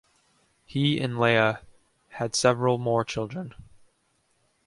He and Leah had several more children.